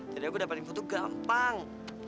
jadi aku dapat info itu gampang